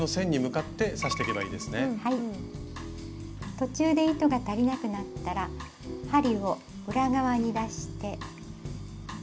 途中で糸が足りなくなったら針を裏側に出して。